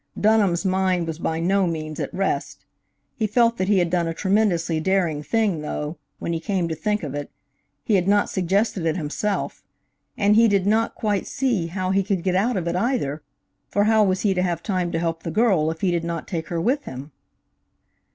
Dunham's mind was by no means at rest. He felt that he had done a tremendously daring thing, though, when he came to think of it, he had not suggested it himself; and he did not quite see how he could get out of it, either, for how was he to have time to help the girl if he did not take her with him?